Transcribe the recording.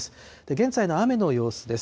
現在の雨の様子です。